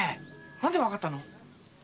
何でわかったの？